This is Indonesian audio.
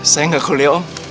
saya gak kuliah om